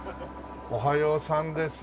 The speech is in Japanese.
おはようさんです。